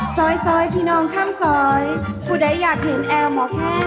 ซอยซอยพี่น้องข้างซอยผู้ใดอยากเห็นแอร์หมอแค่